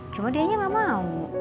cuma dia nya gak mau